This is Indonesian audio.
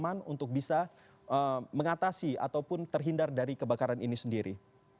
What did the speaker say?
dan mencari tempat yang lebih aman untuk bisa mengatasi ataupun terhindar dari kebakaran ini sendiri